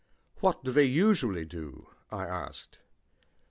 "What do they usually do?" I asked.